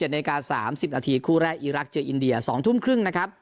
นาที๓๐นาทีคู่แรกอีรักษ์เจออินเดีย๒ทุ่มครึ่งนะครับ